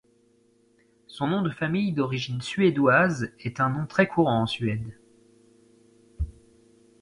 Son nom de famille d'origine suédoise est un nom très courant en Suède.